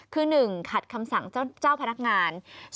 คือ๑ขัดคำสั่งเจ้าพนักงาน